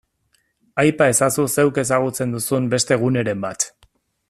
Aipa ezazu zeuk ezagutzen duzun beste guneren bat.